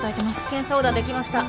検査オーダーできました。